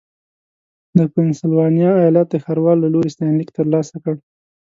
د پنسلوانیا ایالت د ښاروال له لوري ستاینلیک ترلاسه کړ.